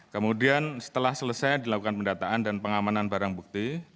kemudian setelah selesai dilakukan pendataan dan pengamanan barang bukti